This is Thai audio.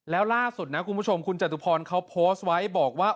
แล้วล่าสุดนะคุณผู้ชมคุณจตุพรเขาโพสต์ไว้บอกว่า